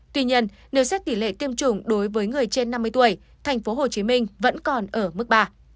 tuy nhiên nếu xét tỷ lệ tiêm chủng đối với người trên năm mươi tuổi tp hcm vẫn còn ở mức ba